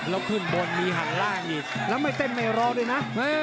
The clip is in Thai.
แล้วขึ้นบนมีหันล่างอีกแล้วไม่เต้นไม่รอด้วยนะ